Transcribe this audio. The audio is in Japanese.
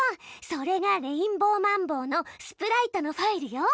それがレインボーマンボウのスプライトのファイルよ！